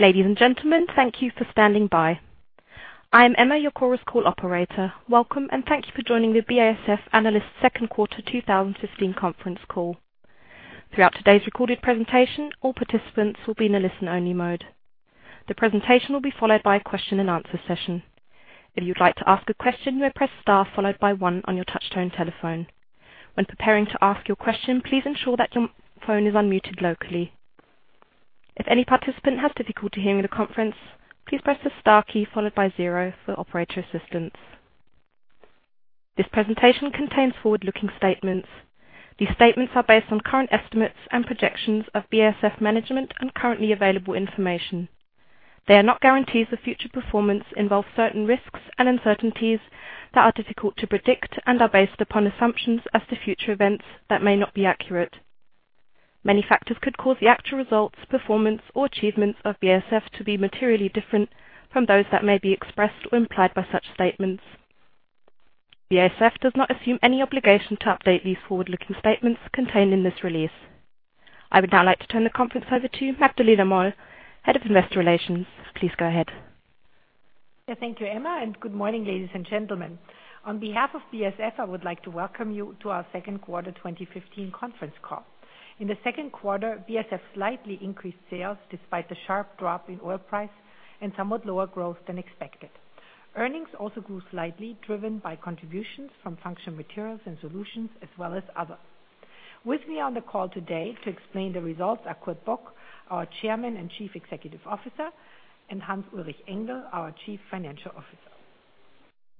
Ladies and gentlemen, thank you for standing by. I am Emma, your Chorus Call operator. Welcome, and thank you for joining the BASF Analyst Second Quarter 2015 conference call. Throughout today's recorded presentation, all participants will be in a listen-only mode. The presentation will be followed by a question-and-answer session. If you'd like to ask a question, you may press star followed by one on your touchtone telephone. When preparing to ask your question, please ensure that your phone is unmuted locally. If any participant has difficulty hearing the conference, please press the star key followed by zero for operator assistance. This presentation contains forward-looking statements. These statements are based on current estimates and projections of BASF management and currently available information. They are not guarantees of future performance, involve certain risks and uncertainties that are difficult to predict and are based upon assumptions as to future events that may not be accurate. Many factors could cause the actual results, performance, or achievements of BASF to be materially different from those that may be expressed or implied by such statements. BASF does not assume any obligation to update these forward-looking statements contained in this release. I would now like to turn the conference over to Magdalena Moll, Head of Investor Relations. Please go ahead. Yeah, thank you, Emma, and good morning, ladies and gentlemen. On behalf of BASF, I would like to welcome you to our second quarter 2015 conference call. In the second quarter, BASF slightly increased sales despite the sharp drop in oil price and somewhat lower growth than expected. Earnings also grew slightly, driven by contributions from Functional Materials & Solutions as well as other. With me on the call today to explain the results are Kurt Bock, our Chairman and Chief Executive Officer, and Hans-Ulrich Engel, our Chief Financial Officer.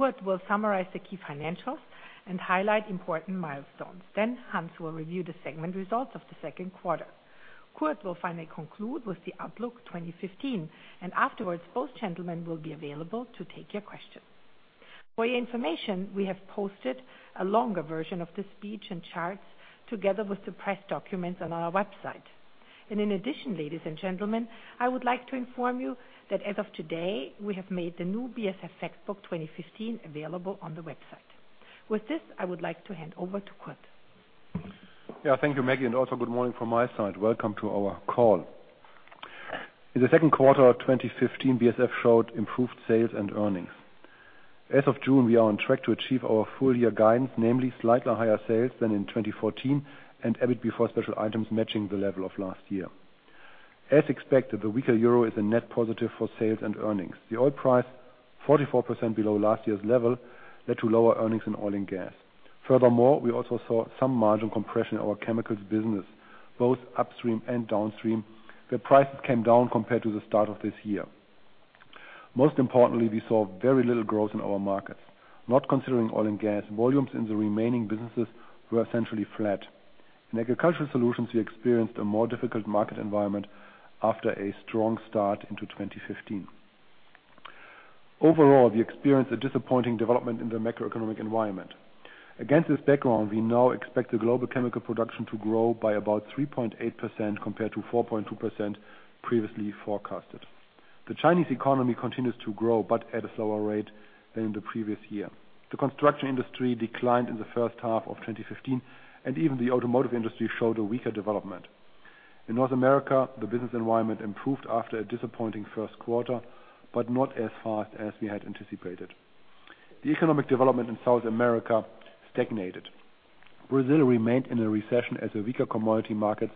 Kurt will summarize the key financials and highlight important milestones. Then Hans will review the segment results of the second quarter. Kurt will finally conclude with the outlook 2015, and afterwards, both gentlemen will be available to take your questions. For your information, we have posted a longer version of this speech and charts together with the press documents on our website. In addition, ladies and gentlemen, I would like to inform you that as of today, we have made the new BASF Factbook 2015 available on the website. With this, I would like to hand over to Kurt. Yeah. Thank you, Maggie, and also good morning from my side. Welcome to our call. In the second quarter of 2015, BASF showed improved sales and earnings. As of June, we are on track to achieve our full year guidance, namely slightly higher sales than in 2014 and EBIT before special items matching the level of last year. As expected, the weaker euro is a net positive for sales and earnings. The oil price 44% below last year's level led to lower earnings in Oil and Gas. Furthermore, we also saw some margin compression in our Chemicals business, both upstream and downstream. The prices came down compared to the start of this year. Most importantly, we saw very little growth in our markets. Not considering Oil and Gas, volumes in the remaining businesses were essentially flat. In Agricultural Solutions, we experienced a more difficult market environment after a strong start into 2015. Overall, we experienced a disappointing development in the macroeconomic environment. Against this background, we now expect the global chemical production to grow by about 3.8% compared to 4.2% previously forecasted. The Chinese economy continues to grow, but at a slower rate than the previous year. The construction industry declined in the first half of 2015, and even the automotive industry showed a weaker development. In North America, the business environment improved after a disappointing first quarter, but not as fast as we had anticipated. The economic development in South America stagnated. Brazil remained in a recession as the weaker commodity markets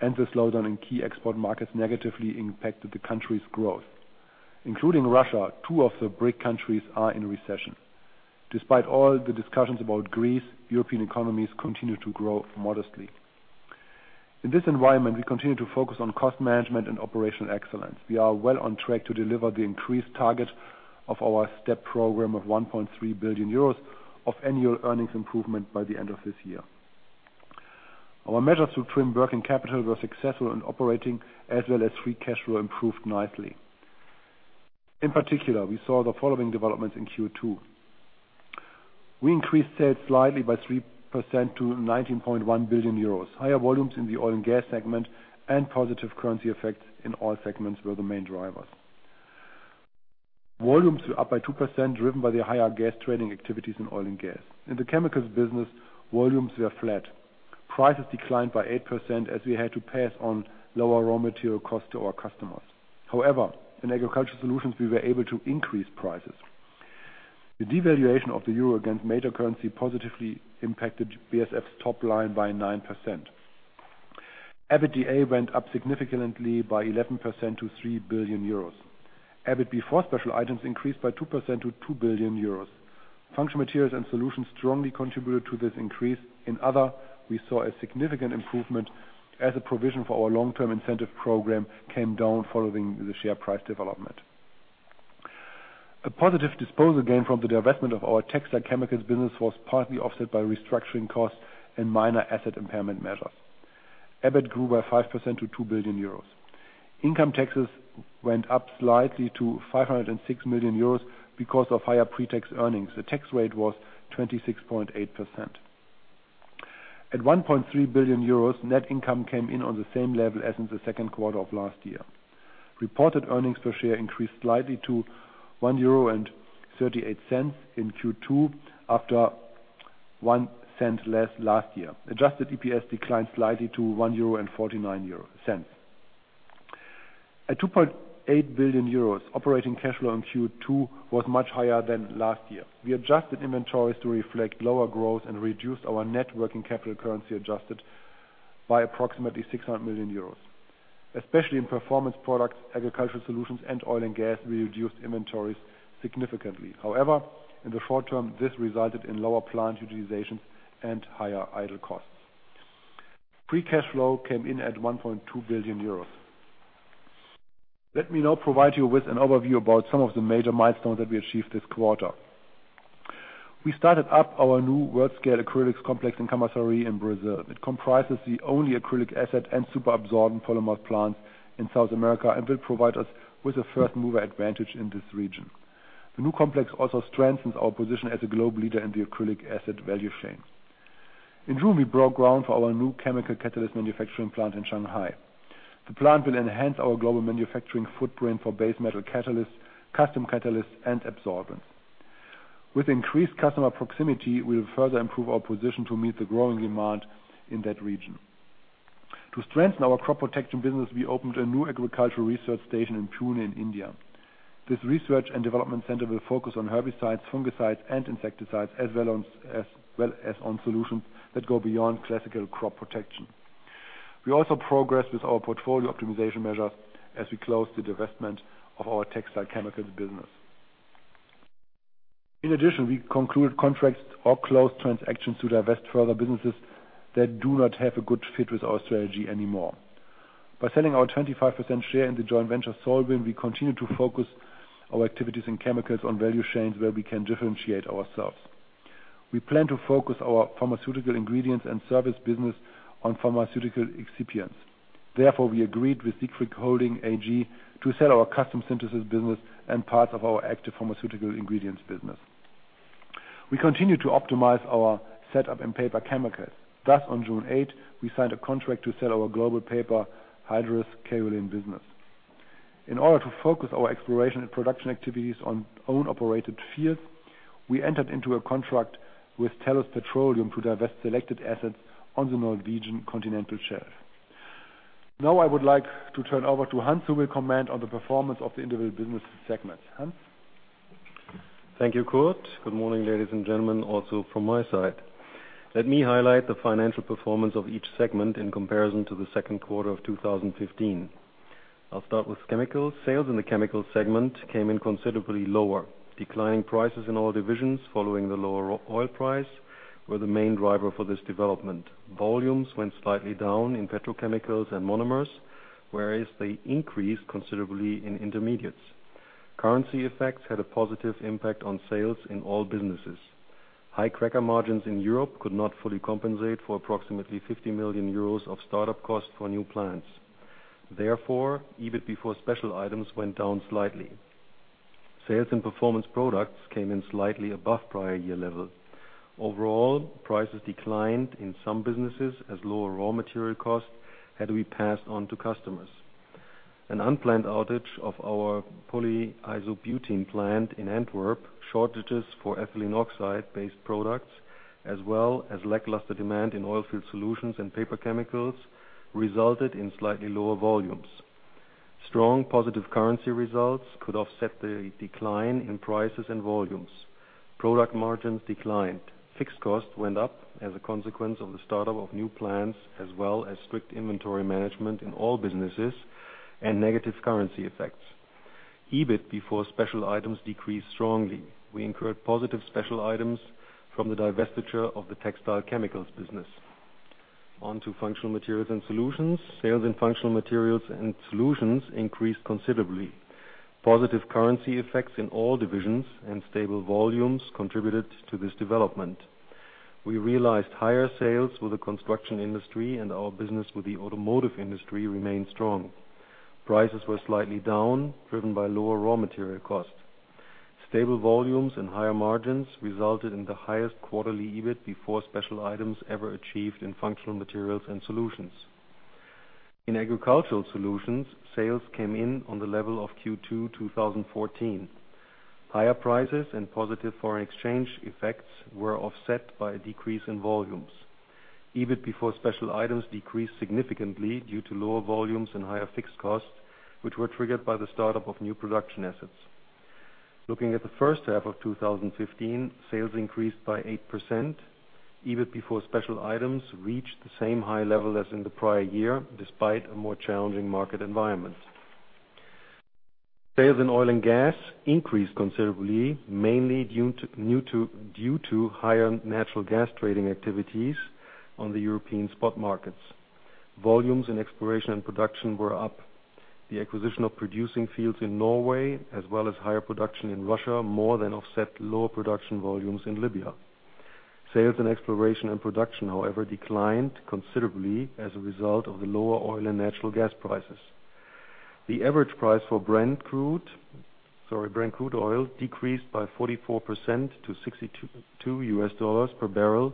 and the slowdown in key export markets negatively impacted the country's growth. Including Russia, two of the BRIC countries are in recession. Despite all the discussions about Greece, European economies continue to grow modestly. In this environment, we continue to focus on cost management and operational excellence. We are well on track to deliver the increased target of our step program of 1.3 billion euros of annual earnings improvement by the end of this year. Our measures to trim working capital were successful. Operating as well as free cash flow improved nicely. In particular, we saw the following developments in Q2. We increased sales slightly by 3% to 19.1 billion euros. Higher volumes in the Oil and Gas segment and positive currency effects in all segments were the main drivers. Volumes were up by 2%, driven by the higher gas trading activities in Oil and Gas. In the Chemicals business, volumes were flat. Prices declined by 8% as we had to pass on lower raw material cost to our customers. However, in Agricultural Solutions, we were able to increase prices. The devaluation of the euro against major currency positively impacted BASF's top line by 9%. EBITDA went up significantly by 11% to 3 billion euros. EBIT before special items increased by 2% to 2 billion euros. Functional Materials & Solutions strongly contributed to this increase. In other, we saw a significant improvement as a provision for our long-term incentive program came down following the share price development. A positive disposal gain from the divestment of our textile chemicals business was partly offset by restructuring costs and minor asset impairment measures. EBIT grew by 5% to 2 billion euros. Income taxes went up slightly to 506 million euros because of higher pretax earnings. The tax rate was 26.8%. At 1.3 billion euros, net income came in on the same level as in the second quarter of last year. Reported earnings per share increased slightly to 1.38 euro in Q2 after one cent less last year. Adjusted EPS declined slightly to 1.49 euro. At 2.8 billion euros, operating cash flow in Q2 was much higher than last year. We adjusted inventories to reflect lower growth and reduced our net working capital, currency adjusted by approximately 600 million euros. Especially in Performance Products, Agricultural Solutions, and Oil and Gas, we reduced inventories significantly. However, in the short term, this resulted in lower plant utilization and higher idle costs. Free cash flow came in at 1.2 billion euros. Let me now provide you with an overview about some of the major milestones that we achieved this quarter. We started up our new world-scale acrylics complex in Camaçari in Brazil. It comprises the only acrylic acid and superabsorbent polymer plants in South America and will provide us with a first-mover advantage in this region. The new complex also strengthens our position as a global leader in the acrylic acid value chain. In June, we broke ground for our new chemical catalyst manufacturing plant in Shanghai. The plant will enhance our global manufacturing footprint for base metal catalysts, custom catalysts, and adsorbents. With increased customer proximity, we will further improve our position to meet the growing demand in that region. To strengthen our crop protection business, we opened a new agricultural research station in Pune in India. This research and development center will focus on herbicides, fungicides, and insecticides, as well as on solutions that go beyond classical crop protection. We also progressed with our portfolio optimization measures as we closed the divestment of our textile chemicals business. In addition, we concluded contracts or closed transactions to divest further businesses that do not have a good fit with our strategy anymore. By selling our 25% share in the joint venture SolVin, we continue to focus our activities in chemicals on value chains where we can differentiate ourselves. We plan to focus our pharmaceutical ingredients and service business on pharmaceutical excipients. Therefore, we agreed with Holding AG to sell our custom synthesis business and parts of our active pharmaceutical ingredients business. We continue to optimize our setup in paper chemicals. Thus, on June 8, we signed a contract to sell our global paper hydrous kaolin business. In order to focus our exploration and production activities on own-operated fields, we entered into a contract with Tellus Petroleum to divest selected assets on the Norwegian Continental Shelf. Now I would like to turn over to Hans, who will comment on the performance of the individual business segments. Hans? Thank you, Kurt. Good morning, ladies and gentlemen, also from my side. Let me highlight the financial performance of each segment in comparison to the second quarter of 2015. I'll start with Chemicals. Sales in the Chemicals segment came in considerably lower. Declining prices in all divisions following the lower oil price were the main driver for this development. Volumes went slightly down in Petrochemicals and Monomers, whereas they increased considerably in Intermediates. Currency effects had a positive impact on sales in all businesses. High cracker margins in Europe could not fully compensate for approximately 50 million euros of startup costs for new plants. Therefore, EBIT before special items went down slightly. Sales in Performance Products came in slightly above prior year levels. Overall, prices declined in some businesses as lower raw material costs had to be passed on to customers. An unplanned outage of our polyisobutene plant in Antwerp, shortages for ethylene oxide-based products, as well as lackluster demand in Oilfield Solutions and paper chemicals resulted in slightly lower volumes. Strong positive currency results could offset the decline in prices and volumes. Product margins declined. Fixed costs went up as a consequence of the startup of new plants, as well as strict inventory management in all businesses and negative currency effects. EBIT before special items decreased strongly. We incurred positive special items from the divestiture of the textile chemicals business. On to Functional Materials and Solutions. Sales in Functional Materials and Solutions increased considerably. Positive currency effects in all divisions and stable volumes contributed to this development. We realized higher sales with the construction industry, and our business with the automotive industry remained strong. Prices were slightly down, driven by lower raw material costs. Stable volumes and higher margins resulted in the highest quarterly EBIT before special items ever achieved in Functional Materials & Solutions. In Agricultural Solutions, sales came in on the level of Q2 2014. Higher prices and positive foreign exchange effects were offset by a decrease in volumes. EBIT before special items decreased significantly due to lower volumes and higher fixed costs, which were triggered by the startup of new production assets. Looking at the first half of 2015, sales increased by 8%. EBIT before special items reached the same high level as in the prior year, despite a more challenging market environment. Sales in Oil and Gas increased considerably, mainly due to higher natural gas trading activities on the European spot markets. Volumes in Exploration and Production were up. The acquisition of producing fields in Norway, as well as higher production in Russia, more than offset lower production volumes in Libya. Sales in exploration and production, however, declined considerably as a result of the lower oil and natural gas prices. The average price for Brent crude oil decreased by 44% to $62 per barrel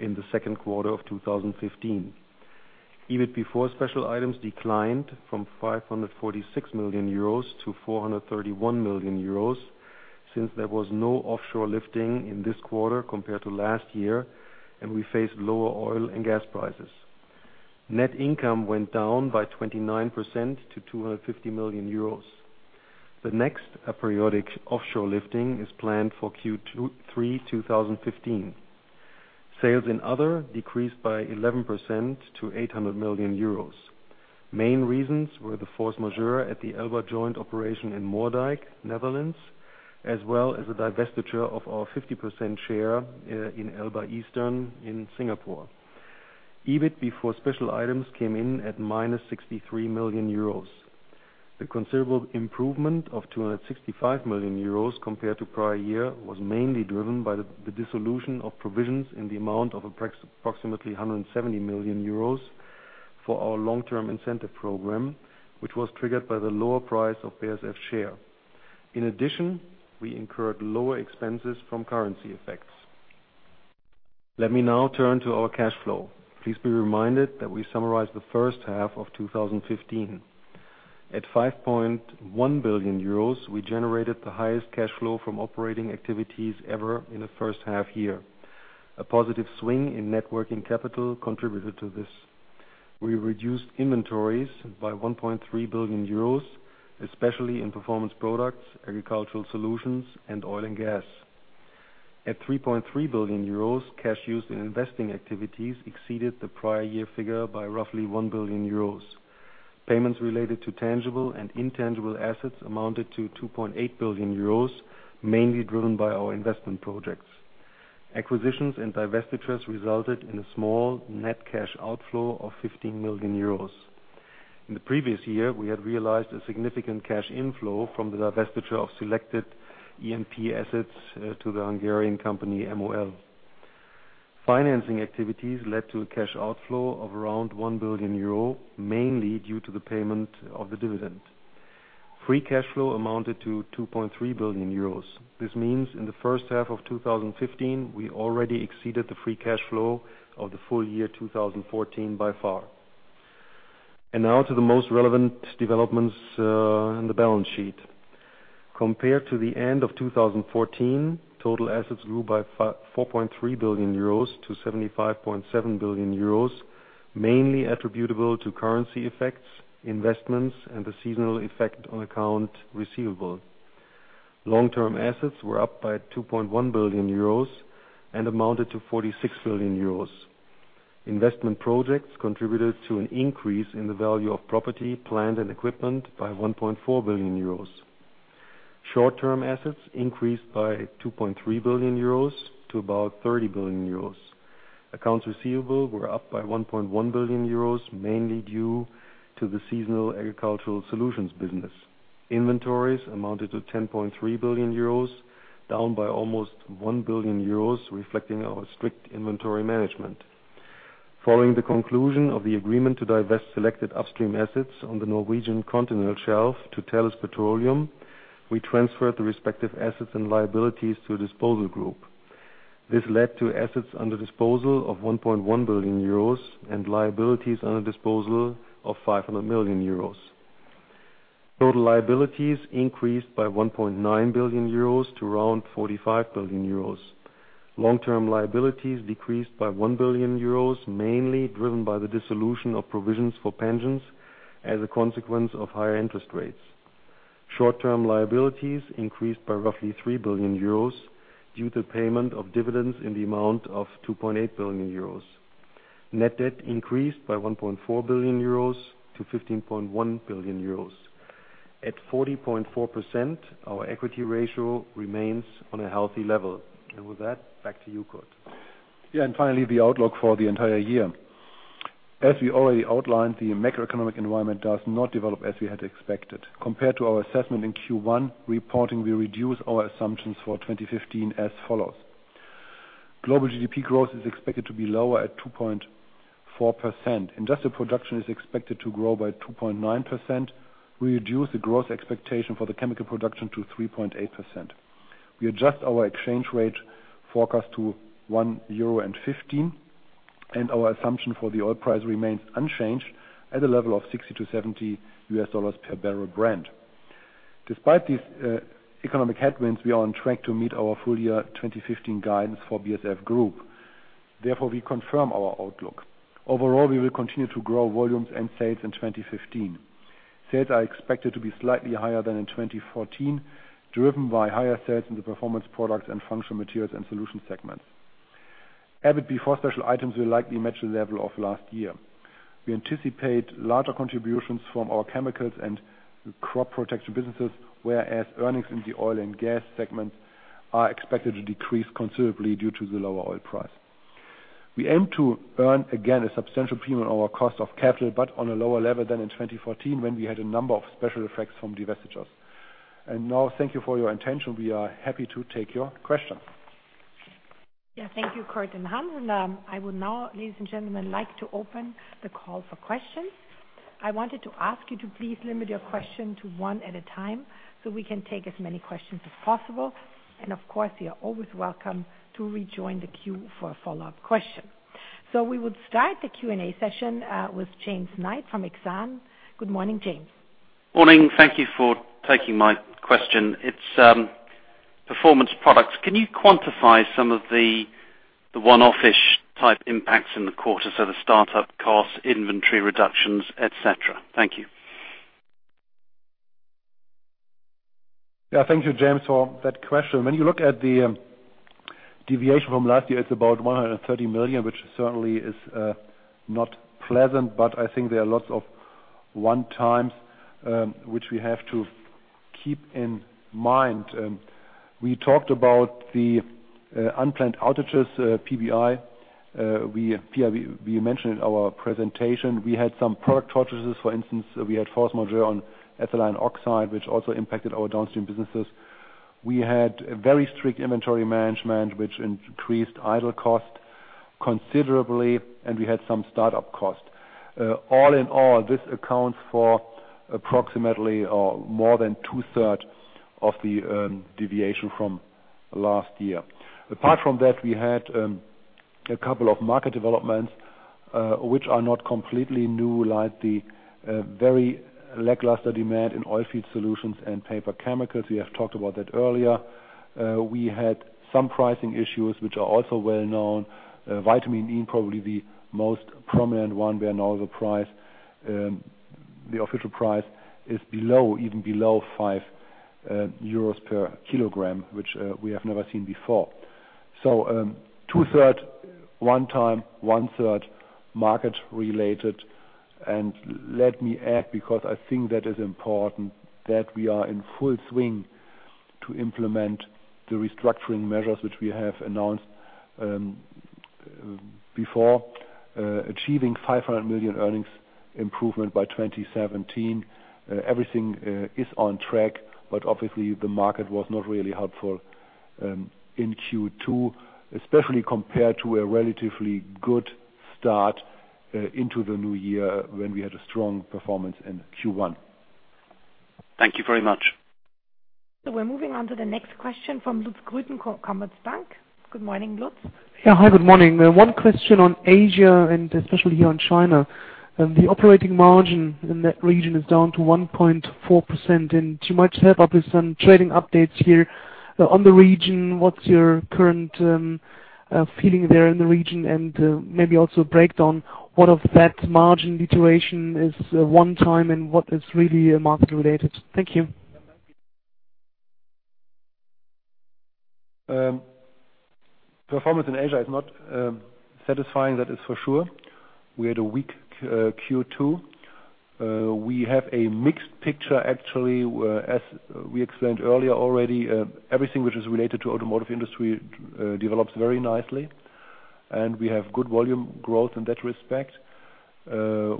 in the second quarter of 2015. EBIT before special items declined from 546 million-431 million euros since there was no offshore lifting in this quarter compared to last year, and we faced lower oil and gas prices. Net income went down by 29% to 250 million euros. The next aperiodic offshore lifting is planned for Q3, 2015. Sales in other decreased by 11% to 800 million euros. Main reasons were the force majeure at the Ellba joint operation in Moerdijk, Netherlands, as well as a divestiture of our 50% share in ELLBA Eastern in Singapore. EBIT before special items came in at minus 63 million euros. The considerable improvement of 265 million euros compared to prior year was mainly driven by the dissolution of provisions in the amount of approximately 170 million euros for our long-term incentive program, which was triggered by the lower price of BASF share. In addition, we incurred lower expenses from currency effects. Let me now turn to our cash flow. Please be reminded that we summarized the first half of 2015. At 5.1 billion euros, we generated the highest cash flow from operating activities ever in the first half year. A positive swing in net working capital contributed to this. We reduced inventories by 1.3 billion euros, especially in Performance Products, Agricultural Solutions, and Oil and Gas. At 3.3 billion euros, cash used in investing activities exceeded the prior year figure by roughly 1 billion euros. Payments related to tangible and intangible assets amounted to 2.8 billion euros, mainly driven by our investment projects. Acquisitions and divestitures resulted in a small net cash outflow of 15 million euros. In the previous year, we had realized a significant cash inflow from the divestiture of selected E&P assets to the Hungarian company, MOL. Financing activities led to a cash outflow of around 1 billion euro, mainly due to the payment of the dividend. Free cash flow amounted to 2.3 billion euros. This means in the first half of 2015, we already exceeded the free cash flow of the full year 2014 by far. Now to the most relevant developments in the balance sheet. Compared to the end of 2014, total assets grew by 4.3 billion-75.7 billion euros, mainly attributable to currency effects, investments, and the seasonal effect on accounts receivable. Long-term assets were up by 2.1 billion euros and amounted to 46 billion euros. Investment projects contributed to an increase in the value of property, plant, and equipment by 1.4 billion euros. Short-term assets increased by 2.3 billion euros to about 30 billion euros. Accounts receivable were up by 1.1 billion euros, mainly due to the seasonal Agricultural Solutions business. Inventories amounted to 10.3 billion euros, down by almost 1 billion euros, reflecting our strict inventory management. Following the conclusion of the agreement to divest selected upstream assets on the Norwegian continental shelf to Tellus Petroleum, we transferred the respective assets and liabilities to a disposal group. This led to assets under disposal of 1.1 billion euros and liabilities under disposal of 500 million euros. Total liabilities increased by 1.9 billion euros to around 45 billion euros. Long-term liabilities decreased by 1 billion euros, mainly driven by the dissolution of provisions for pensions as a consequence of higher interest rates. Short-term liabilities increased by roughly 3 billion euros due to payment of dividends in the amount of 2.8 billion euros. Net debt increased by 1.4 billion euros to 15.1 billion euros. At 40.4%, our equity ratio remains on a healthy level. With that, back to you, Kurt. Yeah, finally, the outlook for the entire year. As we already outlined, the macroeconomic environment does not develop as we had expected. Compared to our assessment in Q1 reporting, we reduce our assumptions for 2015 as follows Global GDP growth is expected to be lower at 2.4%. Industrial production is expected to grow by 2.9%. We reduce the growth expectation for the chemical production to 3.8%. We adjust our exchange rate forecast to 1.15, and our assumption for the oil price remains unchanged at a level of $60-$70 per barrel Brent. Despite these economic headwinds, we are on track to meet our full year 2015 guidance for BASF Group. Therefore, we confirm our outlook. Overall, we will continue to grow volumes and sales in 2015. Sales are expected to be slightly higher than in 2014, driven by higher sales in the Performance Products and Functional Materials and Solution segments. EBIT before special items will likely match the level of last year. We anticipate larger contributions from our Chemicals and crop protection businesses, whereas earnings in the Oil and Gas segments are expected to decrease considerably due to the lower oil price. We aim to earn, again, a substantial premium on our cost of capital, but on a lower level than in 2014 when we had a number of special effects from divestitures. Now, thank you for your attention. We are happy to take your questions. Yeah. Thank you, Kurt and Hans. I would now, ladies and gentlemen, like to open the call for questions. I wanted to ask you to please limit your question to one at a time, so we can take as many questions as possible. Of course, you're always welcome to rejoin the queue for a follow-up question. We would start the Q&A session with James Knight from Exane. Good morning, James. Morning. Thank you for taking my question. It's Performance Products. Can you quantify some of the one-off-ish type impacts in the quarter, so the startup costs, inventory reductions, et cetera? Thank you. Yeah. Thank you, James, for that question. When you look at the deviation from last year, it's about 130 million, which certainly is not pleasant. I think there are lots of one-times, which we have to keep in mind. We talked about the unplanned outages, [PBI], we mentioned in our presentation. We had some product charges, for instance, we had force majeure on ethylene oxide, which also impacted our downstream businesses. We had a very strict inventory management, which increased idle cost considerably, and we had some start-up costs. All in all, this accounts for approximately or more than two-thirds of the deviation from last year. Apart from that, we had a couple of market developments, which are not completely new, like the very lackluster demand in Oilfield Solutions and paper chemicals. We have talked about that earlier. We had some pricing issues, which are also well known. Vitamin E probably the most prominent one, where now the price, the official price is below, even below 5 euros kg, which we have never seen before. Two-thirds one-time, one-third market-related. Let me add, because I think that is important, that we are in full swing to implement the restructuring measures which we have announced before, achieving 500 million earnings improvement by 2017. Everything is on track, but obviously, the market was not really helpful in Q2, especially compared to a relatively good start into the new year when we had a strong performance in Q1. Thank you very much. We're moving on to the next question from [Lutz Grützeck], Commerzbank. Good morning, Lutz. Yeah. Hi, good morning. One question on Asia and especially on China. The operating margin in that region is down to 1.4%. You might help us on trading updates here on the region. What's your current feeling there in the region? Maybe also break down what of that margin deterioration is one-time and what is really market-related. Thank you. Performance in Asia is not satisfying, that is for sure. We had a weak Q2. We have a mixed picture actually, whereas we explained earlier already, everything which is related to automotive industry develops very nicely, and we have good volume growth in that respect. You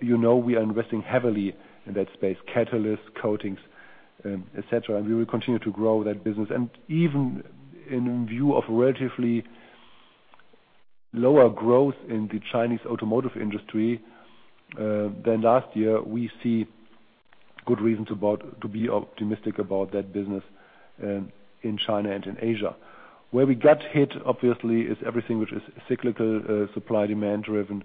know, we are investing heavily in that space, catalysts, coatings, et cetera, and we will continue to grow that business. Even in view of relatively lower growth in the Chinese automotive industry than last year, we see good reasons to be optimistic about that business in China and in Asia. Where we got hit, obviously, is everything which is cyclical, supply-demand-driven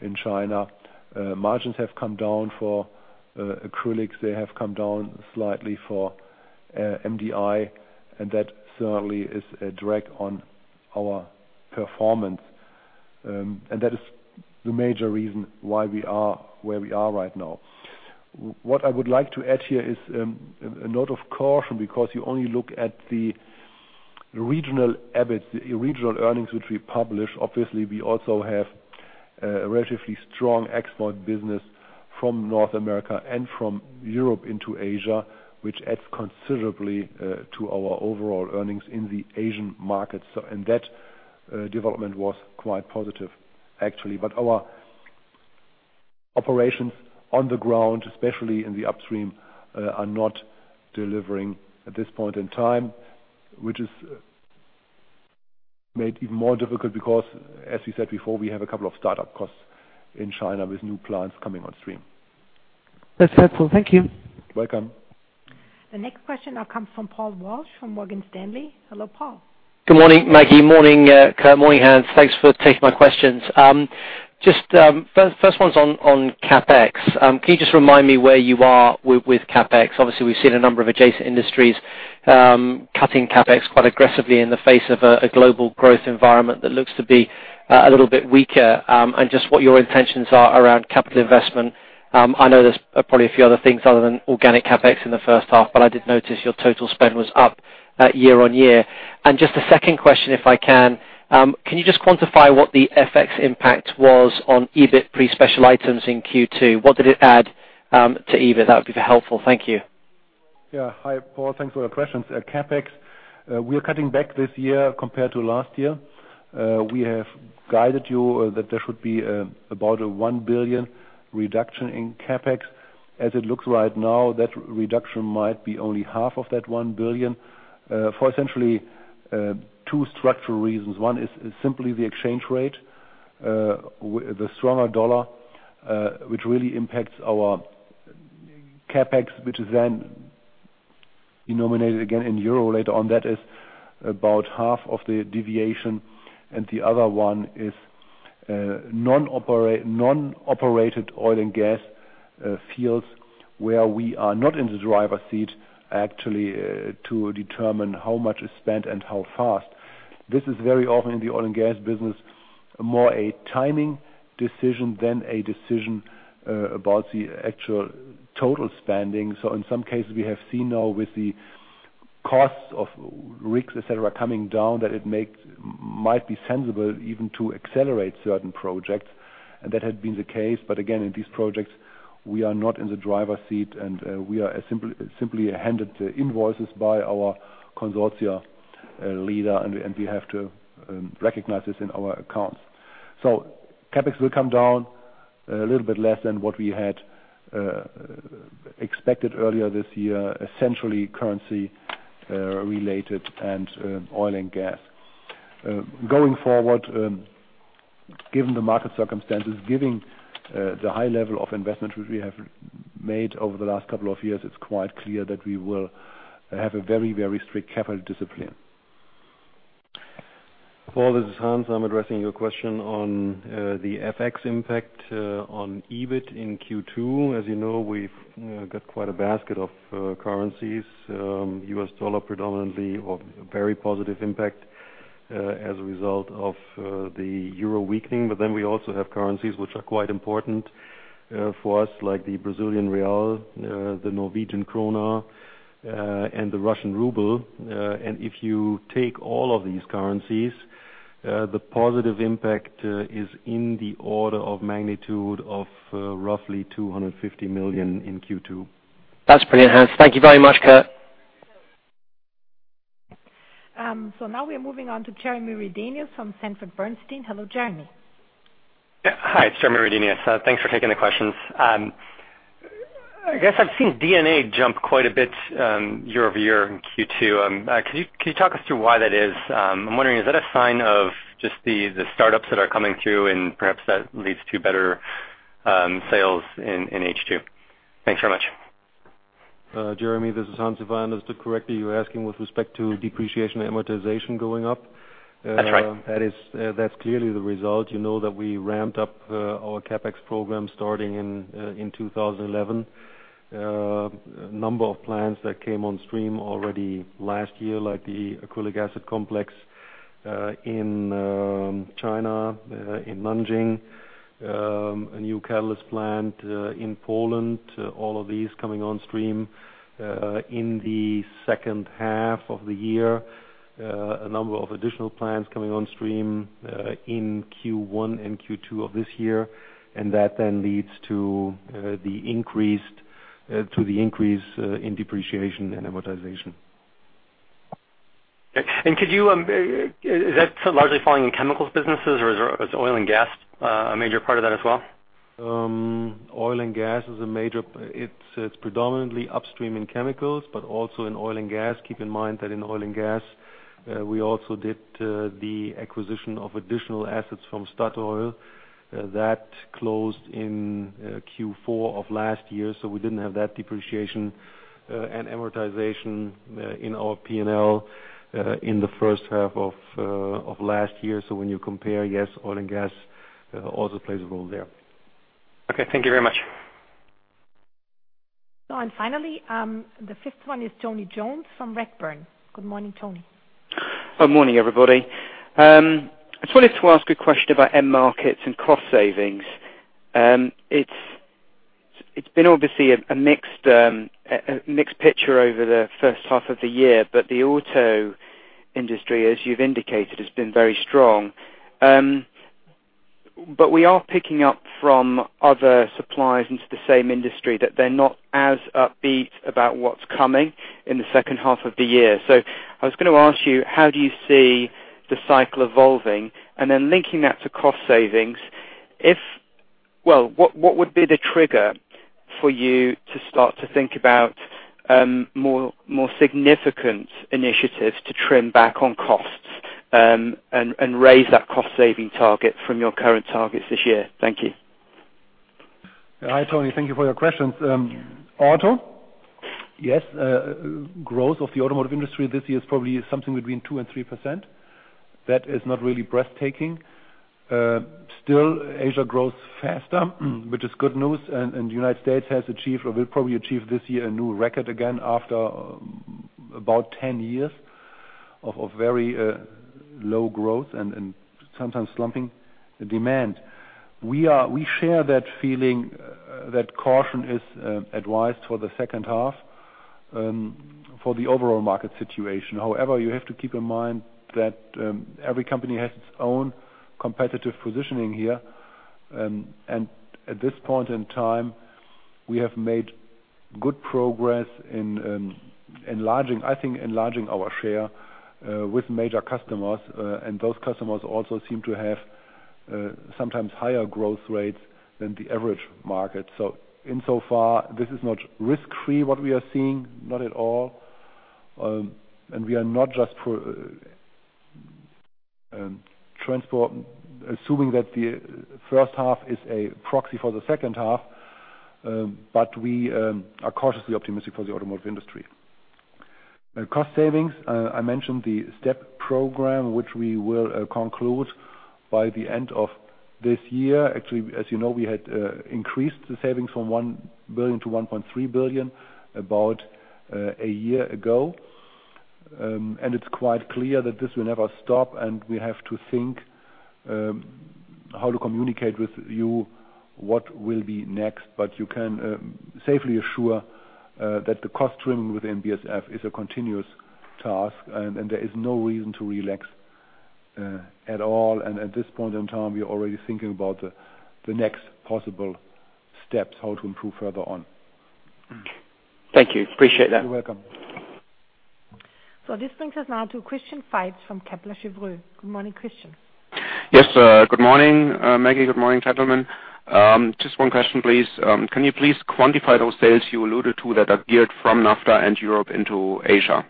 in China. Margins have come down for acrylics. They have come down slightly for MDI, and that certainly is a drag on our performance. That is the major reason why we are where we are right now. What I would like to add here is a note of caution because you only look at the regional EBIT, the regional earnings which we publish. Obviously, we also have a relatively strong export business from North America and from Europe into Asia, which adds considerably to our overall earnings in the Asian market. That development was quite positive, actually. Our operations on the ground, especially in the upstream, are not delivering at this point in time, which is made even more difficult because, as you said before, we have a couple of start-up costs in China with new plants coming on stream. That's helpful. Thank you. Welcome. The next question now comes from Paul Walsh from Morgan Stanley. Hello, Paul. Good morning, Maggie. Morning, Kurt. Morning, Hans. Thanks for taking my questions. Just first one's on CapEx. Can you just remind me where you are with CapEx? Obviously, we've seen a number of adjacent industries cutting CapEx quite aggressively in the face of a global growth environment that looks to be a little bit weaker, and just what your intentions are around capital investment. I know there's probably a few other things other than organic CapEx in the first half, but I did notice your total spend was up year on year. Just a second question, if I can. Can you just quantify what the FX impact was on EBIT pre special items in Q2? What did it add to EBIT? That would be helpful. Thank you. Yeah. Hi, Paul. Thanks for your questions. CapEx, we are cutting back this year compared to last year. We have guided you that there should be about a 1 billion reduction in CapEx. As it looks right now, that reduction might be only half of that 1 billion for essentially two structural reasons. One is simply the exchange rate, the stronger dollar, which really impacts our CapEx, which is then Denominated again in euro later on. That is about half of the deviation, and the other one is non-operated Oil and Gas fields where we are not in the driver's seat actually to determine how much is spent and how fast. This is very often in the Oil and Gas business, more a timing decision than a decision about the actual total spending. So in some cases, we have seen now with the costs of rigs, et cetera, coming down, that it might be sensible even to accelerate certain projects, and that had been the case. But again, in these projects, we are not in the driver's seat, and we are simply handed the invoices by our consortia leader, and we have to recognize this in our accounts. CapEx will come down a little bit less than what we had expected earlier this year, essentially currency related and oil and gas. Going forward, given the market circumstances, given the high level of investment which we have made over the last couple of years, it's quite clear that we will have a very, very strict capital discipline. Paul, this is Hans. I'm addressing your question on the FX impact on EBIT in Q2. As you know, we've got quite a basket of currencies, US dollar predominantly of very positive impact as a result of the euro weakening. But then we also have currencies which are quite important for us, like the Brazilian real, the Norwegian krone, and the Russian ruble. If you take all of these currencies, the positive impact is in the order of magnitude of roughly 250 million in Q2. That's brilliant, Hans. Thank you very much. Kurt. Now we're moving on to Jeremy Redenius from Sanford Bernstein. Hello, Jeremy. Yeah. Hi, it's Jeremy Redenius. Thanks for taking the questions. I guess I've seen D&A jump quite a bit year-over-year in Q2. Can you talk us through why that is? I'm wondering, is that a sign of just the startups that are coming through and perhaps that leads to better sales in H2? Thanks very much. Jeremy, this is Hans. If I understood correctly, you're asking with respect to depreciation, amortization going up. That's right. That's clearly the result. You know that we ramped up our CapEx program starting in 2011. A number of plants that came on stream already last year, like the acrylic acid complex in China in Nanjing, a new catalyst plant in Poland. All of these coming on stream in the second half of the year. A number of additional plants coming on stream in Q1 and Q2 of this year. That then leads to the increase in depreciation and amortization. Okay. Could you, is that largely falling in Chemicals businesses, or is Oil and Gas a major part of that as well? Oil and Gas is predominantly upstream in Chemicals, but also in Oil and Gas. Keep in mind that in Oil and Gas, we also did the acquisition of additional assets from Statoil that closed in Q4 of last year. We didn't have that depreciation and amortization in our P&L in the first half of last year. When you compare, yes, Oil and Gas also plays a role there. Okay. Thank you very much. Finally, the fifth one is Tony Jones from Redburn. Good morning, Tony. Good morning, everybody. I just wanted to ask a question about end markets and cost savings. It's been obviously a mixed picture over the first half of the year. The auto industry, as you've indicated, has been very strong. We are picking up from other suppliers into the same industry that they're not as upbeat about what's coming in the second half of the year. I was gonna ask you, how do you see the cycle evolving? Linking that to cost savings, well, what would be the trigger for you to start to think about more significant initiatives to trim back on costs and raise that cost-saving target from your current targets this year? Thank you. Hi, Tony. Thank you for your questions. Auto, yes, growth of the automotive industry this year is probably something between 2% and 3%. That is not really breathtaking. Still, Asia grows faster, which is good news. United States has achieved or will probably achieve this year a new record again after about 10 years of very low growth and sometimes slumping demand. We share that feeling that caution is advised for the second half for the overall market situation. However, you have to keep in mind that every company has its own competitive positioning here. At this point in time, we have made good progress in enlarging, I think, our share with major customers. Those customers also seem to have sometimes higher growth rates than the average market. So far, this is not risk-free what we are seeing. Not at all. We are not just for Transport, assuming that the first half is a proxy for the second half, but we are cautiously optimistic for the automotive industry. Now cost savings, I mentioned the STEP program, which we will conclude by the end of this year. Actually, as you know, we had increased the savings from 1 billion to 1.3 billion about a year ago. And it's quite clear that this will never stop, and we have to think how to communicate with you what will be next. But you can safely assure that the cost trimming within BASF is a continuous task and there is no reason to relax at all. And at this point in time, we are already thinking about the next possible steps, how to improve further on. Thank you. I appreciate that. You're welcome. This brings us now to Christian Faitz from Kepler Cheuvreux. Good morning, Christian. Yes, good morning, Maggie. Good morning, gentlemen. Just one question, please. Can you please quantify those sales you alluded to that are geared from NAFTA and Europe into Asia?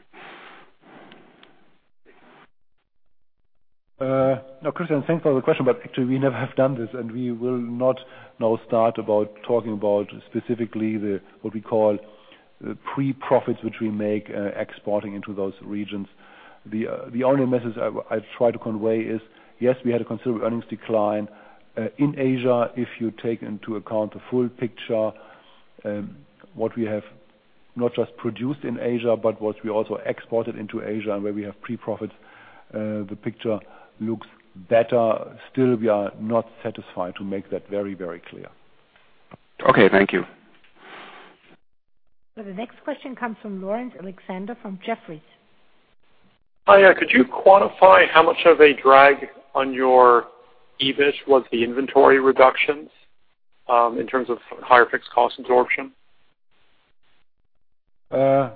No, Christian, thanks for the question, but actually we never have done this, and we will not now start to talk about specifically the, what we call pre-profits, which we make exporting into those regions. The only message I try to convey is, yes, we had a considerable earnings decline in Asia. If you take into account the full picture, what we have not just produced in Asia, but what we also exported into Asia and where we have pre-profits, the picture looks better. Still, we are not satisfied to make that very, very clear. Okay, thank you. The next question comes from Lawrence Alexander from Jefferies. Hi, could you quantify how much of a drag on your EBIT was the inventory reductions, in terms of higher fixed cost absorption? 12+.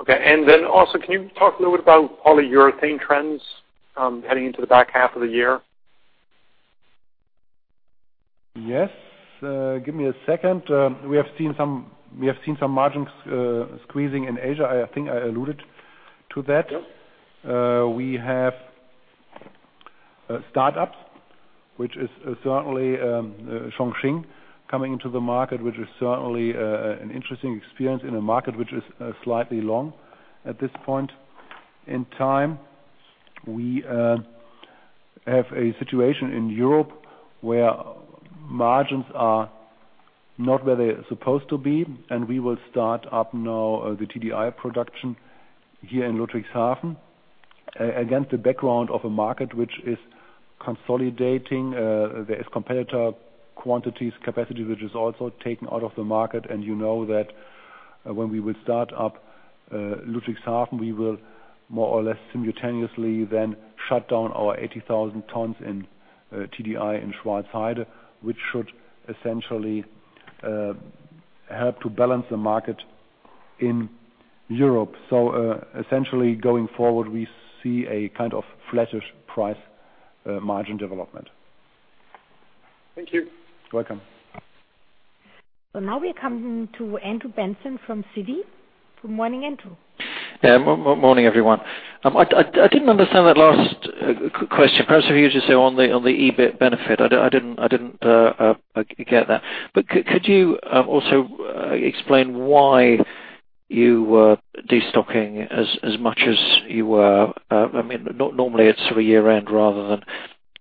Okay. Also, can you talk a little bit about polyurethane trends, heading into the back half of the year? Yes. Give me a second. We have seen some margins squeezing in Asia. I think I alluded to that. We have startups which is certainly Chongqing coming into the market, which is certainly an interesting experience in a market which is slightly long at this point in time. We have a situation in Europe where margins are not where they're supposed to be, and we will start up now the TDI production here in Ludwigshafen. Against the background of a market which is consolidating, there is competitors' capacity which is also taken out of the market. You know that when we would start up Ludwigshafen, we will more or less simultaneously then shut down our 80,000 tons in TDI in Schwarzheide, which should essentially help to balance the market in Europe. Essentially going forward, we see a kind of flattish price margin development. Thank you. You're welcome. Now we come to Andrew Benson from Citi. Good morning, Andrew. Morning, everyone. I didn't understand that last question. Perhaps if you just say on the EBIT benefit. I didn't get that. Could you also explain why you were destocking as much as you were? I mean, normally, it's sort of year-end rather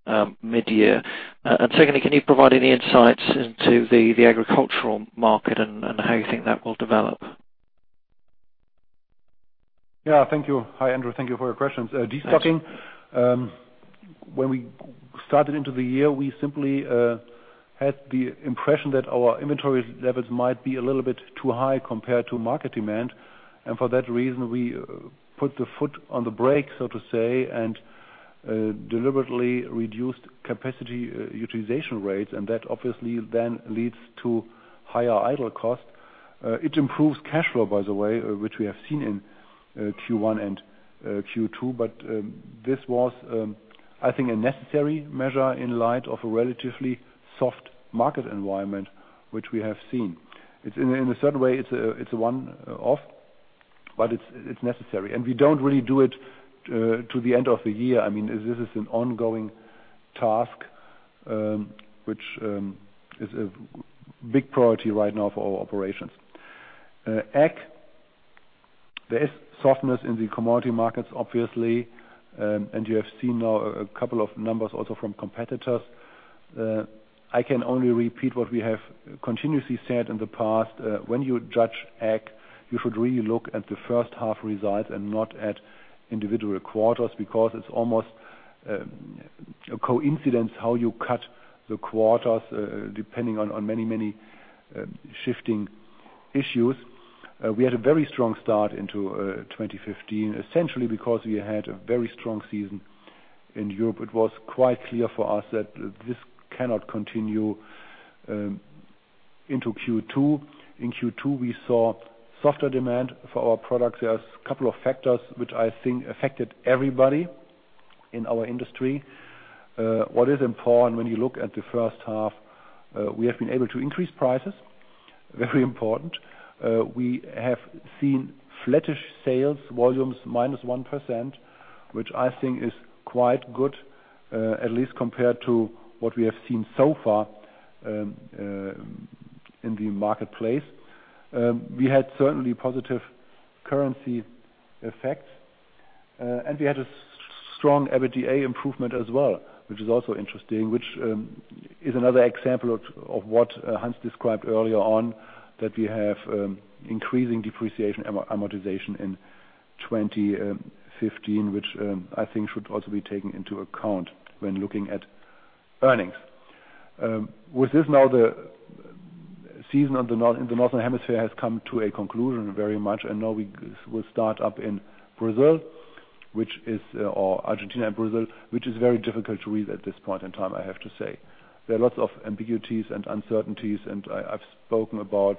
than mid-year. Secondly, can you provide any insights into the agricultural market and how you think that will develop? Yeah. Thank you. Hi, Andrew. Thank you for your questions. Thanks. Destocking. When we started into the year, we simply had the impression that our inventory levels might be a little bit too high compared to market demand. For that reason, we put the foot on the brake, so to say, and deliberately reduced capacity utilization rates, and that obviously then leads to higher idle costs. It improves cash flow, by the way, which we have seen in Q1 and Q2. This was, I think, a necessary measure in light of a relatively soft market environment which we have seen. In a certain way, it's a one-off, but it's necessary. We don't really do it to the end of the year. I mean, this is an ongoing task, which is a big priority right now for our operations. Ag, there is softness in the commodity markets, obviously, and you have seen now a couple of numbers also from competitors. I can only repeat what we have continuously said in the past. When you judge Ag, you should really look at the first half results and not at individual quarters because it's almost a coincidence how you cut the quarters, depending on many shifting issues. We had a very strong start into 2015, essentially because we had a very strong season in Europe. It was quite clear for us that this cannot continue into Q2. In Q2, we saw softer demand for our products. There's a couple of factors which I think affected everybody in our industry. What is important when you look at the first half, we have been able to increase prices, very important. We have seen flattish sales volumes minus 1%, which I think is quite good, at least compared to what we have seen so far in the marketplace. We had certainly positive currency effects, and we had a strong EBITDA improvement as well, which is also interesting, which is another example of what Hans described earlier on, that we have increasing depreciation and amortization in 2015, which I think should also be taken into account when looking at earnings. With this now the season in the Northern Hemisphere has come to a conclusion very much, and now we'll start up in Brazil, or Argentina and Brazil, which is very difficult to read at this point in time, I have to say. There are lots of ambiguities and uncertainties, and I've spoken about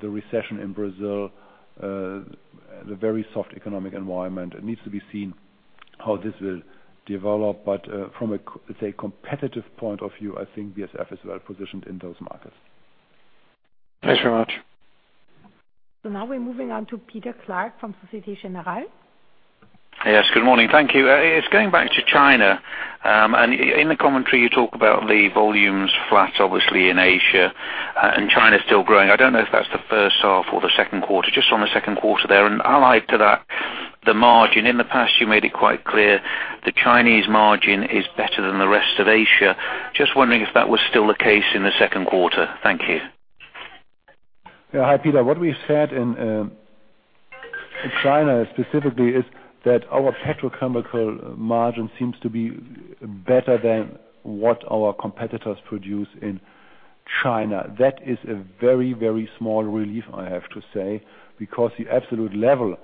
the recession in Brazil, the very soft economic environment. It needs to be seen how this will develop. From a competitive point of view, I think BASF is well-positioned in those markets. Thanks very much. Now we're moving on to Peter Clark from Société Générale. Yes, good morning. Thank you. It's going back to China, and in the commentary, you talk about the volumes flat, obviously, in Asia and China still growing. I don't know if that's the first half or the second quarter, just on the second quarter there. Allied to that, the margin. In the past, you made it quite clear the Chinese margin is better than the rest of Asia. Just wondering if that was still the case in the second quarter. Thank you. Yeah. Hi, Peter. What we said in China specifically is that our petrochemical margin seems to be better than what our competitors produce in China. That is a very, very small relief I have to say, because the absolute level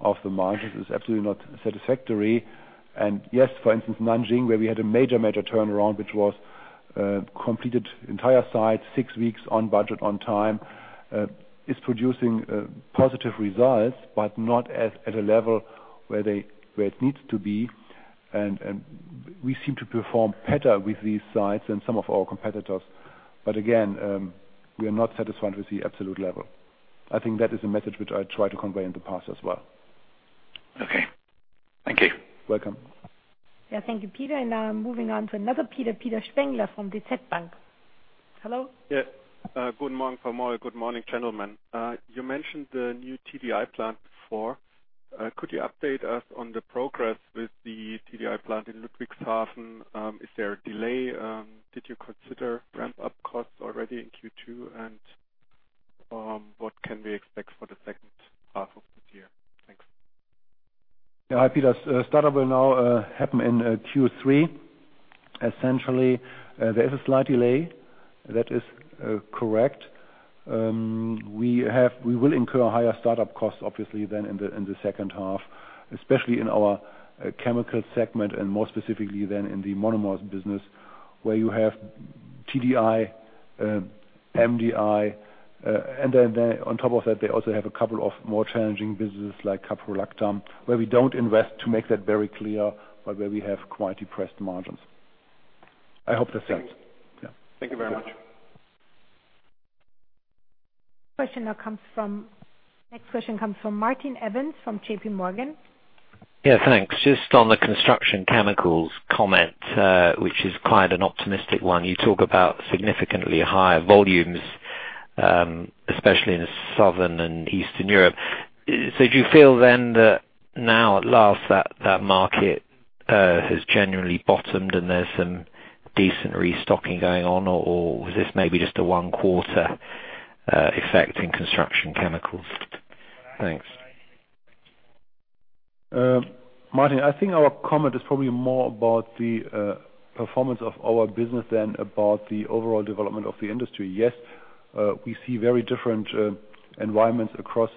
of the margins is absolutely not satisfactory. Yes, for instance, Nanjing, where we had a major turnaround, which was completed entire site six weeks on budget on time, is producing positive results, but not at a level where it needs to be. We seem to perform better with these sites than some of our competitors. We are not satisfied with the absolute level. I think that is a message which I tried to convey in the past as well. Okay. Thank you. Welcome. Yeah. Thank you, Peter. Now moving on to another Peter Spengler from DZ Bank. Hello? Yeah. Guten Morgen, Frau Moll. Good morning, gentlemen. You mentioned the new TDI plant before. Could you update us on the progress with the TDI plant in Ludwigshafen? Is there a delay? Did you consider ramp-up costs already in Q2? What can we expect for the second half of the year? Thanks. Yeah. Hi, Peter. Startup will now happen in Q3. Essentially, there is a slight delay. That is correct. We will incur higher start-up costs obviously than in the second half, especially in our Chemicals segment and more specifically in the Monomers business, where you have TDI, MDI, and then on top of that, they also have a couple of more challenging businesses like caprolactam, where we don't invest to make that very clear, but where we have quite depressed margins. I hope that's it. Thank you. Yeah. Thank you very much. Next question comes from Martin Evans from JPMorgan. Yeah, thanks. Just on the Construction Chemicals comment, which is quite an optimistic one. You talk about significantly higher volumes, especially in Southern and Eastern Europe. Do you feel then that now at last that market has genuinely bottomed and there's some decent restocking going on, or is this maybe just a one-quarter effect in Construction Chemicals? Thanks. Martin, I think our comment is probably more about the performance of our business than about the overall development of the industry. Yes, we see very different environments across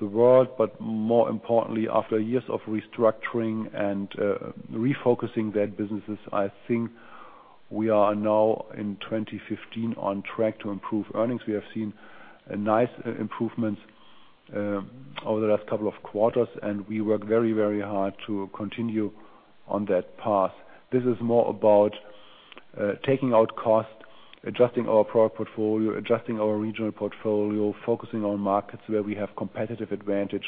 the world, but more importantly after years of restructuring and refocusing their businesses, I think we are now in 2015 on track to improve earnings. We have seen a nice improvements over the last couple of quarters, and we work very, very hard to continue on that path. This is more about taking out costs, adjusting our product portfolio, adjusting our regional portfolio, focusing on markets where we have competitive advantage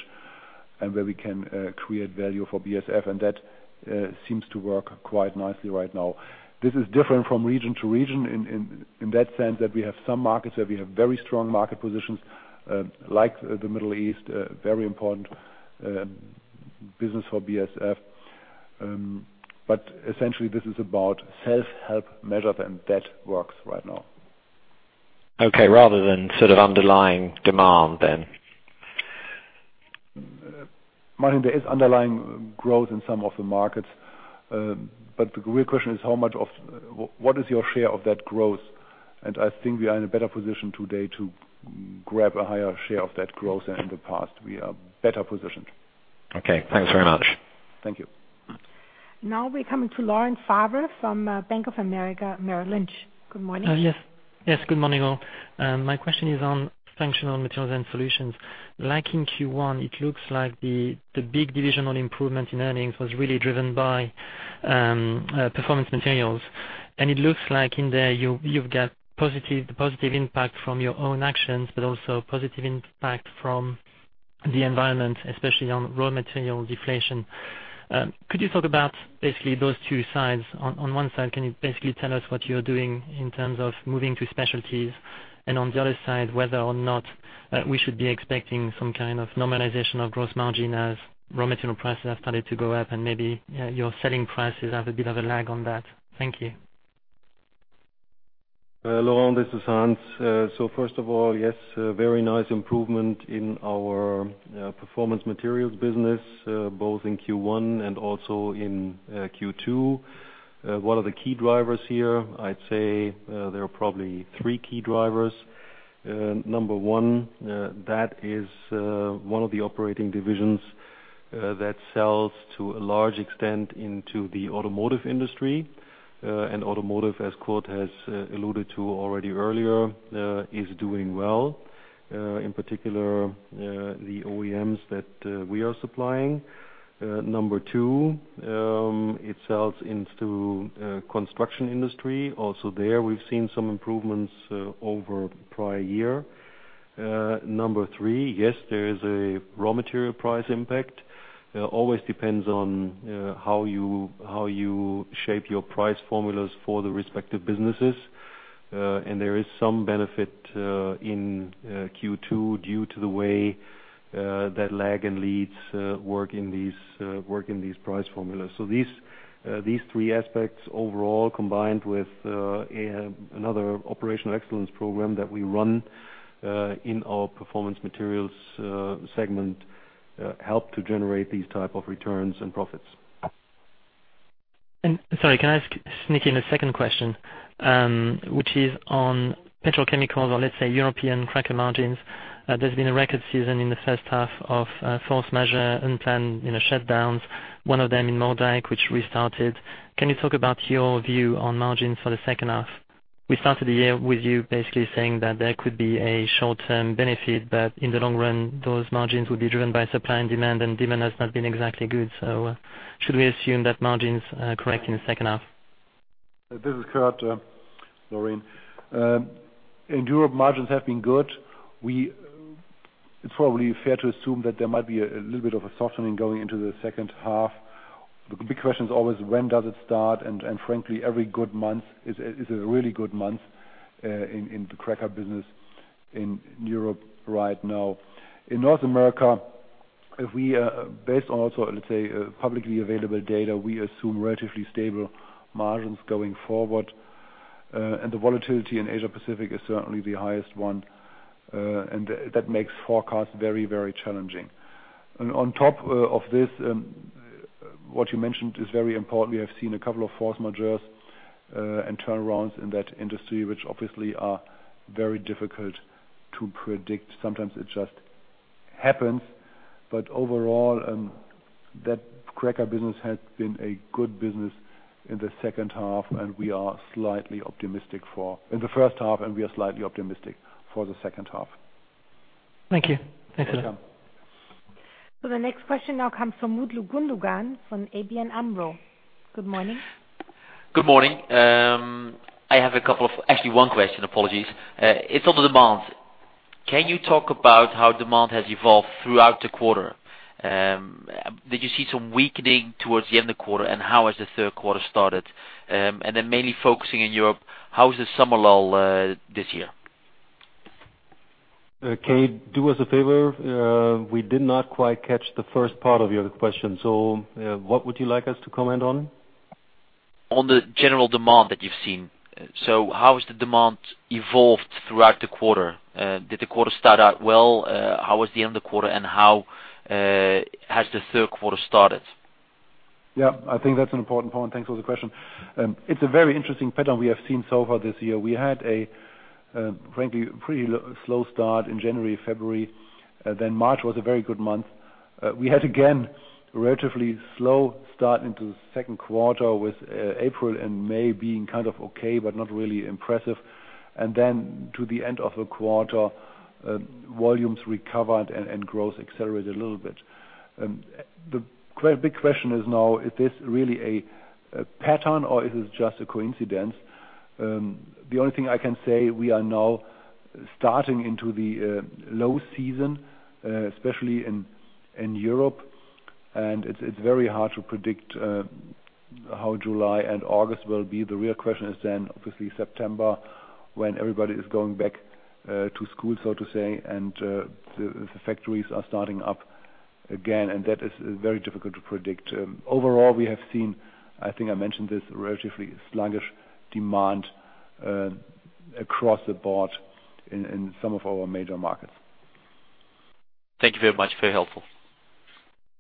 and where we can create value for BASF, and that seems to work quite nicely right now. This is different from region to region in that sense that we have some markets where we have very strong market positions, like the Middle East, very important business for BASF. Essentially this is about self-help measures, and that works right now. Okay. Rather than sort of underlying demand then. Martin, there is underlying growth in some of the markets, but the real question is how much of what is your share of that growth? I think we are in a better position today to grab a higher share of that growth than in the past. We are better positioned. Okay. Thanks very much. Thank you. Now we come to [Laura Farese] from Bank of America Merrill Lynch. Good morning. Yes. Good morning, all. My question is on Functional Materials & Solutions. Like in Q1, it looks like the big divisional improvement in earnings was really driven by Performance Materials. It looks like in there you've got positive impact from your own actions, but also positive impact from the environment, especially on raw material deflation. Could you talk about basically those two sides? On one side, can you basically tell us what you're doing in terms of moving to specialties? On the other side, whether or not we should be expecting some kind of normalization of gross margin as raw material prices have started to go up, and maybe your selling prices have a bit of a lag on that. Thank you. Laura, this is Hans. First of all, yes, a very nice improvement in our Performance Materials business, both in Q1 and also in Q2. What are the key drivers here? I'd say, there are probably three key drivers. Number one, that is one of the operating divisions that sells to a large extent into the automotive industry. Automotive, as Kurt has alluded to already earlier, is doing well, in particular the OEMs that we are supplying. Number two, it sells into the construction industry. Also there, we've seen some improvements over prior year. Number three, yes, there is a raw material price impact. It always depends on how you shape your price formulas for the respective businesses. There is some benefit in Q2 due to the way that lags and leads work in these price formulas. These three aspects overall, combined with another operational excellence program that we run in our Performance Materials segment, help to generate these type of returns and profits. Sorry, can I ask Nicky a second question, which is on Petrochemicals, or let's say European cracker margins. There's been a record season in the first half of force majeure unplanned, you know, shutdowns, one of them in Moerdijk, which restarted. Can you talk about your view on margins for the second half? We started the year with you basically saying that there could be a short-term benefit, but in the long run, those margins would be driven by supply and demand, and demand has not been exactly good. Should we assume that margins correct in the second half? This is Kurt, Lauren. In Europe, margins have been good. It's probably fair to assume that there might be a little bit of a softening going into the second half. The big question is always when does it start? Frankly, every good month is a really good month in the cracker business in Europe right now. In North America, based on also, let's say, publicly available data, we assume relatively stable margins going forward. The volatility in Asia Pacific is certainly the highest one. That makes forecasts very, very challenging. On top of this, what you mentioned is very important. We have seen a couple of force majeures and turnarounds in that industry, which obviously are very difficult to predict. Sometimes it just happens. Overall, that cracker business has been a good business in the second half, and we are slightly optimistic for the second half. Thank you. Thanks a lot. Welcome. The next question now comes from Mutlu Gundogan from ABN AMRO. Good morning. Good morning. I have actually one question, apologies. It's on demand. Can you talk about how demand has evolved throughout the quarter? Did you see some weakening towards the end of the quarter, and how has the third quarter started? Mainly focusing in Europe, how is the summer lull this year? Can you do us a favor? We did not quite catch the first part of your question, so, what would you like us to comment on? On the general demand that you've seen. How has the demand evolved throughout the quarter? Did the quarter start out well? How was the end of the quarter, and how has the third quarter started? Yeah. I think that's an important point. Thanks for the question. It's a very interesting pattern we have seen so far this year. We had a, frankly, pretty slow start in January, February. Then March was a very good month. We had again, relatively slow start into the second quarter with April and May being kind of okay, but not really impressive. And then to the end of the quarter, volumes recovered and growth accelerated a little bit. The big question is now, is this really a pattern, or is this just a coincidence? The only thing I can say, we are now starting into the low season, especially in Europe, and it's very hard to predict how July and August will be. The real question is then obviously September, when everybody is going back to school, so to say, and the factories are starting up again, and that is very difficult to predict. Overall we have seen, I think I mentioned this, relatively sluggish demand across the board in some of our major markets. Thank you very much. Very helpful.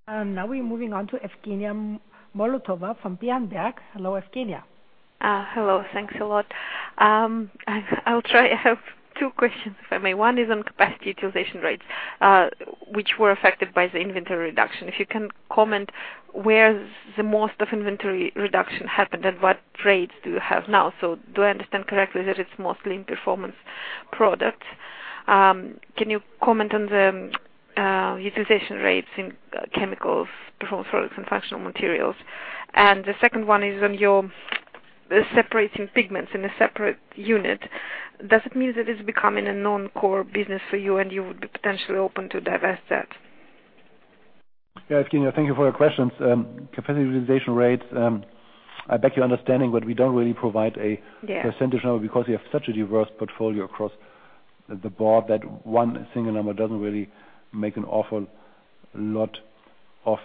Now we're moving on to Evgenia Molotova from BNP Paribas. Hello, Evgenia. Hello. Thanks a lot. I'll try. I have two questions, if I may. One is on capacity utilization rates, which were affected by the inventory reduction. If you can comment where the most of inventory reduction happened and what rates do you have now? Do I understand correctly that it's mostly in Performance Products? Can you comment on the utilization rates in Chemicals, Performance Products, and Functional Materials? The second one is on your separating pigments in a separate unit. Does it mean that it's becoming a non-core business for you and you would be potentially open to divest that? Yes, Evgenia Molotova. Thank you for your questions. Capitalization rates, I beg your understanding, but we don't really provide a percentage now because we have such a diverse portfolio across the board that one single number doesn't really make an awful lot of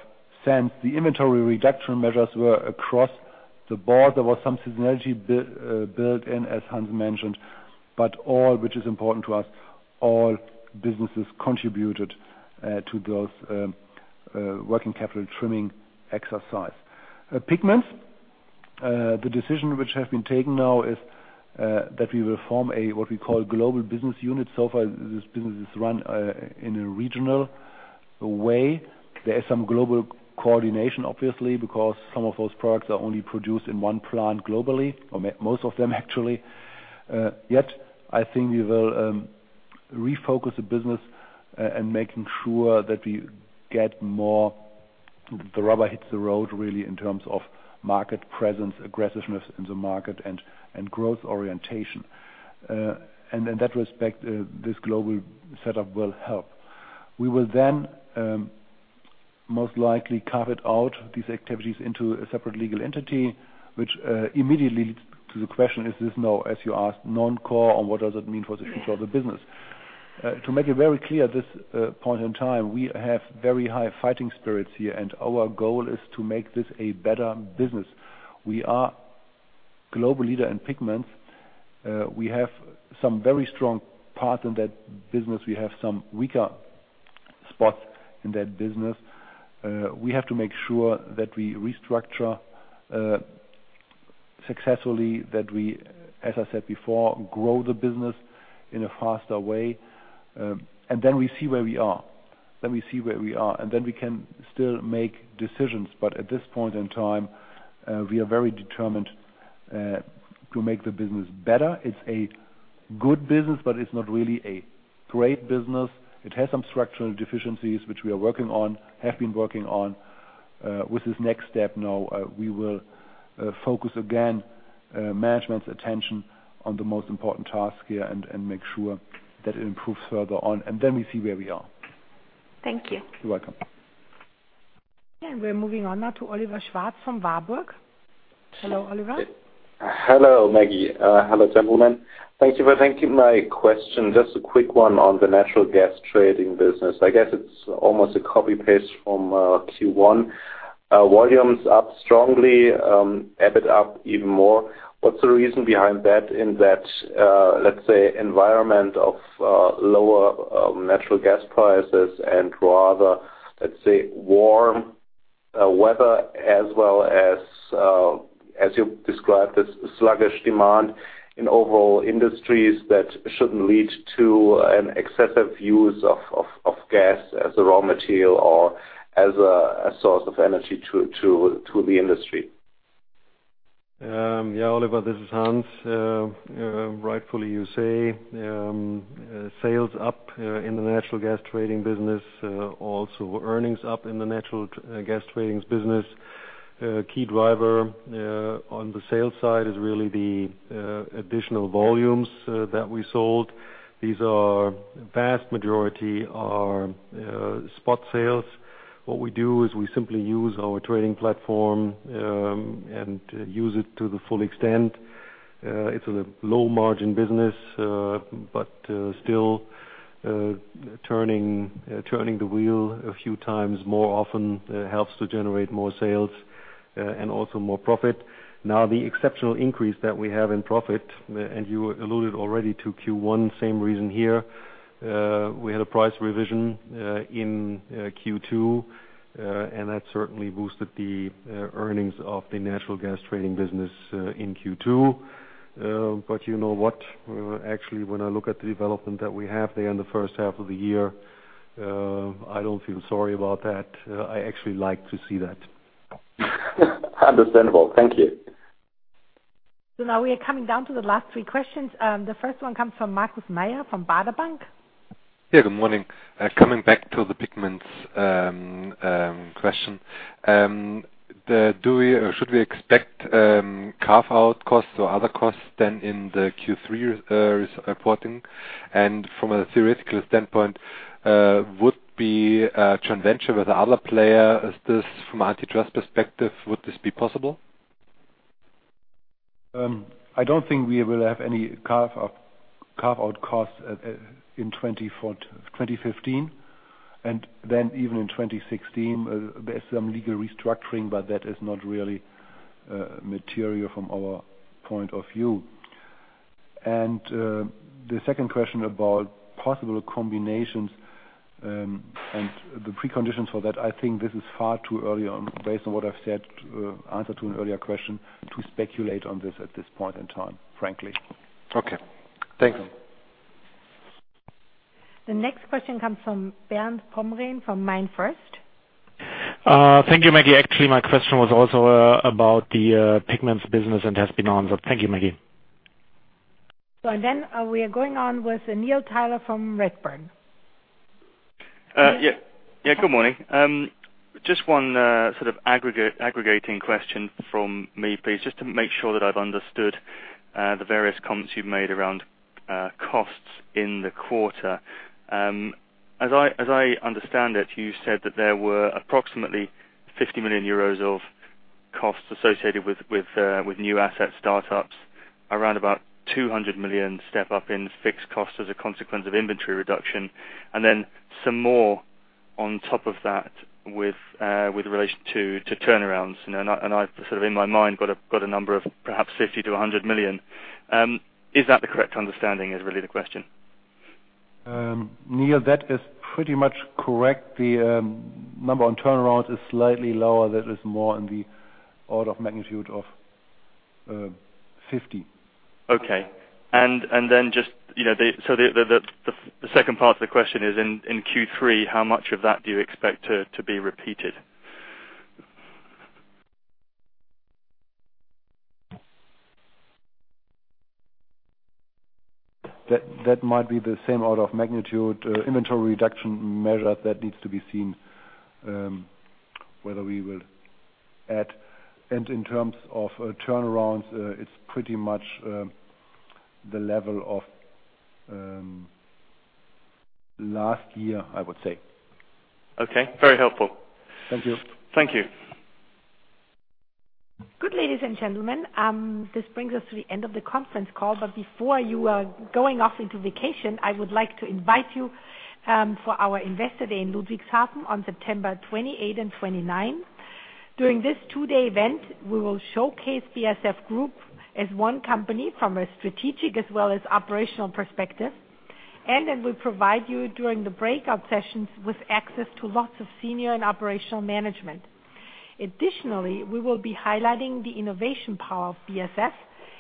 sense. The inventory reduction measures were across the board. There was some synergy built in, as Hans mentioned, but all which is important to us, all businesses contributed to those working capital trimming exercise. Pigments, the decision which has been taken now is that we will form a what we call global business unit. So far, this business is run in a regional way. There is some global coordination, obviously, because some of those products are only produced in one plant globally, or most of them actually. Yet, I think we will refocus the business and making sure that we get more. The rubber hits the road, really, in terms of market presence, aggressiveness in the market and growth orientation. In that respect, this global setup will help. We will then most likely carve it out these activities into a separate legal entity, which immediately leads to the question, is this now, as you asked, non-core, or what does it mean for the future of the business? To make it very clear at this point in time, we have very high fighting spirits here, and our goal is to make this a better business. We are global leader in pigments. We have some very strong parts in that business. We have some weaker spots in that business. We have to make sure that we restructure successfully, that we, as I said before, grow the business in a faster way, and then we see where we are. Then we see where we are, and then we can still make decisions. At this point in time, we are very determined to make the business better. It's a good business, but it's not really a great business. It has some structural deficiencies which we are working on, have been working on, with this next step now. We will focus again management's attention on the most important task here and make sure that it improves further on, and then we see where we are. Thank you. You're welcome. We're moving on now to Oliver Schwarz from Warburg. Hello, Oliver. Hello, Maggie. Hello, gentlemen. Thank you for taking my question. Just a quick one on the natural gas trading business. I guess it's almost a copy-paste from Q1. Volumes up strongly, EBIT up even more. What's the reason behind that in that let's say environment of lower natural gas prices and rather let's say warm weather as well as as you described this sluggish demand in overall industries that shouldn't lead to an excessive use of gas as a raw material or as a source of energy to the industry? Yeah, Oliver, this is Hans. Rightfully you say, sales up in the natural gas trading business, also earnings up in the natural gas trading business. Key driver on the sales side is really the additional volumes that we sold. These are vast majority are spot sales. What we do is we simply use our trading platform and use it to the full extent. It's a low margin business, but still, turning the wheel a few times more often helps to generate more sales and also more profit. Now, the exceptional increase that we have in profit, and you alluded already to Q1, same reason here. We had a price revision in Q2, and that certainly boosted the earnings of the natural gas trading business in Q2. You know what? Actually, when I look at the development that we have there in the first half of the year, I don't feel sorry about that. I actually like to see that. Understandable. Thank you. Now we are coming down to the last three questions. The first one comes from Markus Mayer from Baader Bank. Yeah, good morning. Coming back to the pigments question. Do we or should we expect carve-out costs or other costs then in the Q3 reporting? From a theoretical standpoint, would be a joint venture with other player, is this from antitrust perspective, would this be possible? I don't think we will have any carve out costs in 2015, and then even in 2016. There's some legal restructuring, but that is not really material from our point of view. The second question about possible combinations and the preconditions for that, I think this is far too early on based on what I've said, answer to an earlier question, to speculate on this at this point in time, frankly. Okay. Thanks. The next question comes from Bernd Rommelspacher from MainFirst. Thank you, Maggie. Actually, my question was also about the pigments business and has been answered. Thank you, Maggie. We are going on with Neil Tyler from Redburn. Yeah, good morning. Just one sort of aggregate, aggregating question from me, please, just to make sure that I've understood the various comments you've made around costs in the quarter. As I understand it, you said that there were approximately 50 million euros of costs associated with new asset startups around about 200 million step up in fixed costs as a consequence of inventory reduction. Then some more on top of that with relation to turnarounds. I've sort of in my mind got a number of perhaps 50 million-[EUR 200] million. Is that the correct understanding is really the question? Neil, that is pretty much correct. The number on turnarounds is slightly lower. That is more in the order of magnitude of 50. Okay. Just, you know, so the second part of the question is in Q3, how much of that do you expect to be repeated? That might be the same order of magnitude inventory reduction measure that needs to be seen whether we will add. In terms of turnarounds, it's pretty much the level of last year, I would say. Okay, very helpful. Thank you. Thank you. Good ladies and gentlemen, this brings us to the end of the conference call, but before you are going off into vacation, I would like to invite you for our Investor Day in Ludwigshafen on September 28 and 29. During this 2-day event, we will showcase BASF Group as one company from a strategic as well as operational perspective. We'll provide you during the breakout sessions with access to lots of senior and operational management. Additionally, we will be highlighting the innovation power of BASF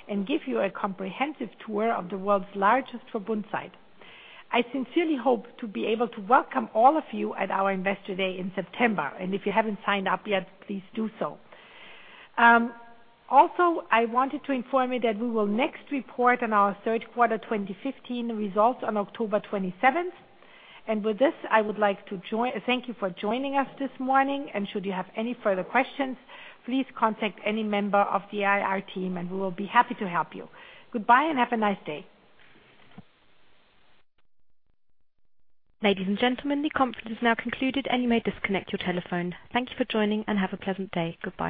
and give you a comprehensive tour of the world's largest Verbund site. I sincerely hope to be able to welcome all of you at our Investor Day in September. If you haven't signed up yet, please do so. Also, I wanted to inform you that we will next report on our third quarter 2015 results on October 27. With this, thank you for joining us this morning. Should you have any further questions, please contact any member of the IR team, and we will be happy to help you. Goodbye and have a nice day. Ladies and gentlemen, the conference is now concluded, and you may disconnect your telephone. Thank you for joining and have a pleasant day. Goodbye.